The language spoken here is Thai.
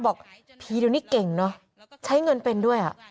บอกผีเดี๋ยวนี้เก่งเนอะใช้เงินเป็นด้วยอ่ะ